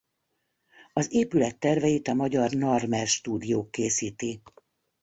Az épület terveit a magyar Narmer Stúdió készíti.